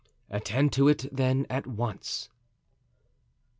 "Attend to it, then, at once."